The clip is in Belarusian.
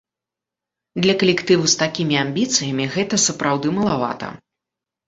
Для калектыву з такімі амбіцыямі гэта сапраўды малавата.